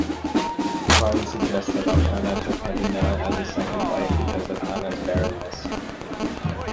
Klein suggests that Elkanah took Peninnah as a second wife because of Hannah's barrenness.